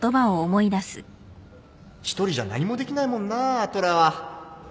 一人じゃ何もできないもんな虎は